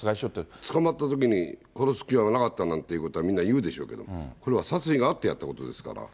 捕まったときに殺す気はなかったって、みんな言うんでしょうけど、これは殺意があってやったことですから。